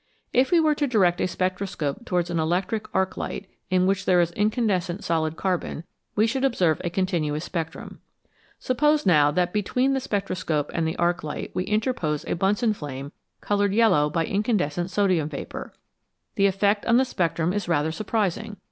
If we were to direct a spectroscope towards an electric arc light, in which there is incandescent solid carbon, we should observe a continuous spectrum. Suppose now that between the spectroscope and the arc light 210 CHEMISTRY OF THE STARS we interpose a Bnnsen flame coloured yellow by incan descent sodium vapour, the effect on the spectrum is rather surprising.